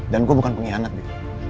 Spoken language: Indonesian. dan gue bukan pengkhianat bi